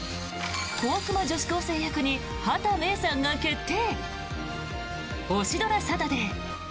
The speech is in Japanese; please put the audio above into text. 小悪魔女子高生役に畑芽育さんが決定！